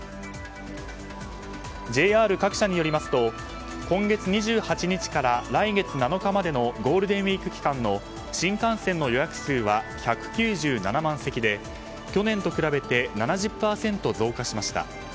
ＪＲ各社によりますと今月２８日から来月７日までのゴールデンウィーク期間の新幹線の予約数は１９７万席で去年と比べて７０％増加しました。